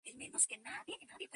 De Europa hasta China.